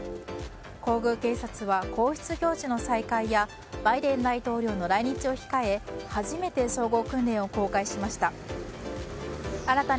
皇宮警察は皇室行事の再開やバイデン大統領の来日を控え初めて総合訓練を公開しました。